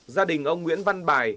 gia đình ông nguyễn văn bài